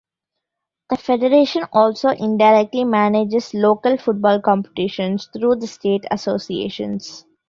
The federation also indirectly manages local football competitions through the state associations.